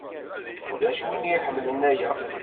Ulac win iḥemmlen aya.